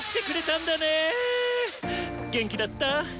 元気だった？